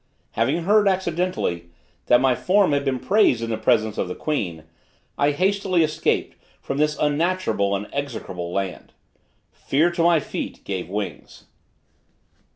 Having heard, accidentally, that my form had been praised in the presence of the queen, I hastily escaped from this unnatural and execrable land: Fear to my feet gave wings.